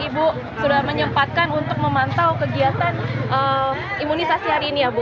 ibu sudah menyempatkan untuk memantau kegiatan imunisasi hari ini ya bu